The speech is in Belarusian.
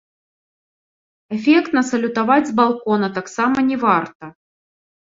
Эфектна салютаваць з балкона таксама не варта.